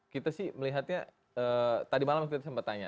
kita sih melihatnya tadi malam kita sempat tanya